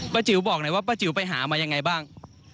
จิ๋วบอกหน่อยว่าป้าจิ๋วไปหามายังไงบ้าง